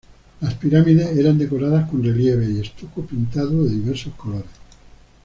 Las pirámides eran decoradas con relieves y estuco pintado de diversos colores.